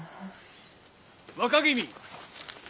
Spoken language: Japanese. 若君。